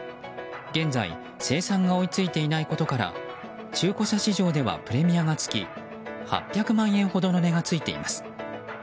現在生産が追い付いていないことから中古車市場ではプレミアがつき８００万円ほどの値がついています。